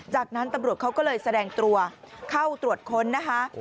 จากนั้นตำรวจเขาก็เลยแสดงตัวเข้าตรวจค้นนะคะ